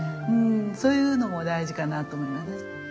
そういうのも大事かなと思います。